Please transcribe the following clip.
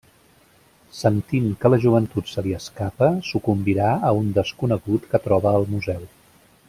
Sentint que la joventut se li escapa, sucumbirà a un desconegut que troba al museu.